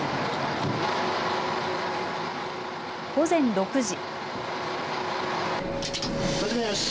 午前６時。